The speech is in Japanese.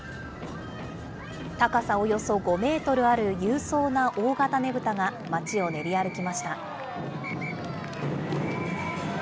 高さおよそ５メートルある勇壮な大型ねぶたが街を練り歩きました。